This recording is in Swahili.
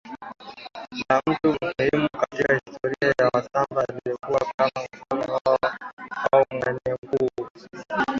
la mtu muhimu katika historia ya Wasambaa anayekumbukwa kama mfalme wao au mwene mkuu